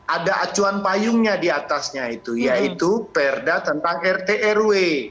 ada acuan payungnya diatasnya itu yaitu perda tentang rtrw